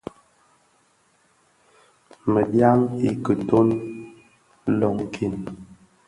Medyan i kiton lonkin.